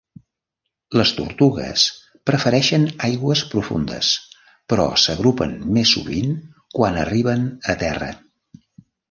Les tortugues prefereixen aigües profundes, però s'agrupen més sovint quan arriben a terra.